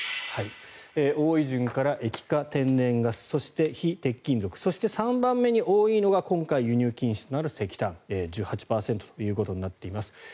多い順から液化天然ガスそして、非鉄金属そして３番目に多いのが今回、輸入禁止となる石炭１８％となっています。